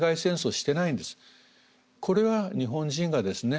これは日本人がですね